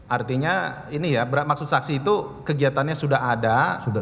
artinya ini ya maksud saksi itu kegiatannya sudah ada